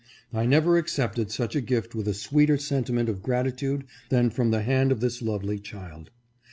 I never accepted such a gift with a sweeter sentiment of gratitude than from the hand of this lovely child.